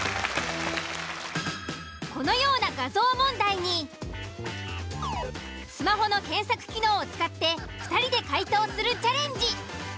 このような画像問題にスマホの検索機能を使って２人で解答するチャレンジ。